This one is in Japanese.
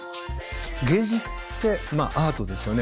芸術ってアートですよね